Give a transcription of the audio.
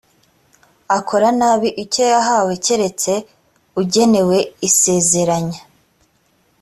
akora nabi icyo yahawe keretse ugenewe isezeranya